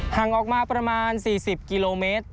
ห่างออกมาประมาณ๔๐กิโลเมตร